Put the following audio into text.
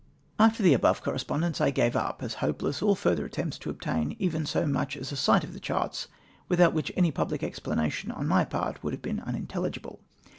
After the above coiTespondence I gave up, as hope less, all further attempts to obtain even so much as a sight of the charts without which any public expla nation on my part would have been unintelhgible.